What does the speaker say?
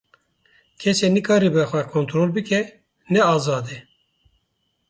Kesê nikaribe xwe kontrol bike, ne azad e.